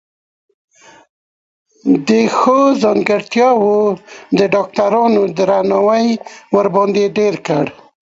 دې ښو ځانګرتياوو د ډاکټرانو درناوی ورباندې ډېر کړ.